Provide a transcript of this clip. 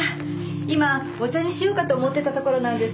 今お茶にしようかと思ってたところなんです。